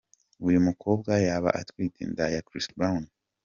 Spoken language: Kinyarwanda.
Uyu mukobwa yaba atwite inda ya Chris Brown.